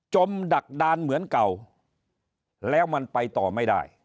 มดักดานเหมือนเก่าแล้วมันไปต่อไม่ได้